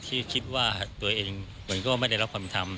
ที่คิดว่าตัวเองเหมือนก็ไม่ได้รับความทำ